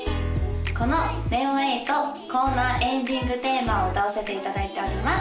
このＮＥＯ８コーナーエンディングテーマを歌わせていただいております